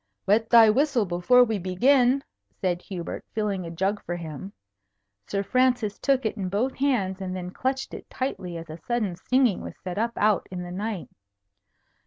"Wet thy whistle before we begin," said Hubert, filling a jug for him. Sir Francis took it in both hands, and then clutched it tightly as a sudden singing was set up out in the night.